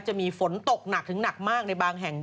จะมีฝนตกหนักถึงหนักมากในบางแห่ง